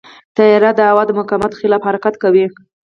طیاره د هوا د مقاومت خلاف حرکت کوي.